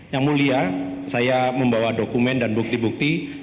yang mulia saya membawa dokumen dan bukti bukti